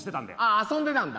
あ遊んでたんだ。